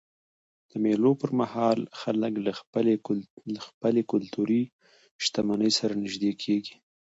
د مېلو پر مهال خلک له خپلي کلتوري شتمنۍ سره نيژدې کېږي.